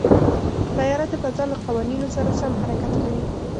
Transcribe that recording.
طیاره د فضا له قوانینو سره سم حرکت کوي.